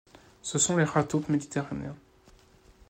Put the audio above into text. Ce sont les rats taupes méditerranéens.